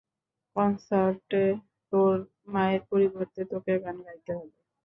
কনসার্টে তোর মায়ের পরিবর্তে তোকে গান গাইতে হবে।